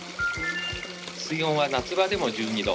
水温は夏場でも１２度。